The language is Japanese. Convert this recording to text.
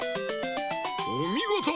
おみごと！